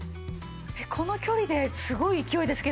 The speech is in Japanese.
この距離ですごい勢いですけどね。